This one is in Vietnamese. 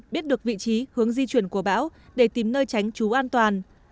biết được vị trí hướng di chuyển của bão để tìm nơi tránh trú an toàn